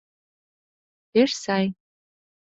— Пеш сай!..